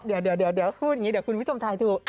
เดี๋ยวพูดอย่างนี้เดี๋ยวคุณผู้ชมถ่ายถูก